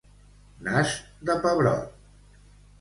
Nas de pebrot.